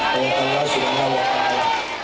tuhan allah tuhan allah tuhan allah